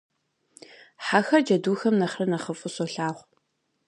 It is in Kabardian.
Хьэхэр джэдухэм нэхърэ нэхъыфӀу солъагъу.